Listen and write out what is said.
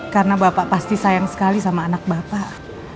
karena bapak pasti sayang sekali sama anak bapak